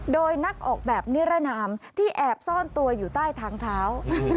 โดยนักออกแบบนิรนามที่แอบซ่อนตัวอยู่ใต้ทางเท้า